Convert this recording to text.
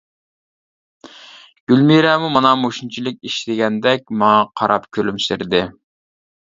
گۈلمىرەمۇ مانا مۇشۇنچىلىك ئىش دېگەندەك ماڭا قاراپ كۈلۈمسىرىدى.